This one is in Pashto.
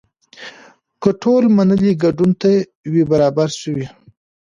که ټول منلی ګډون نه وي برابر شوی.